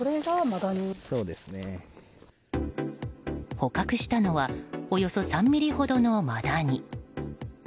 捕獲したのはおよそ３ｍｍほどのマダニ。